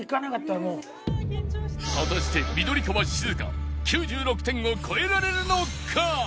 果たして緑川静香は９６点を超えられるのか？